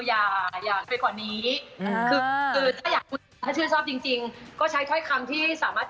อย่าอย่าไปกว่านี้คือเชื่อชอบจริงจริงก็ใช้ถ้อยคำที่สามารถ